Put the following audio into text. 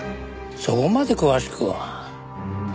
そこまで詳しくは。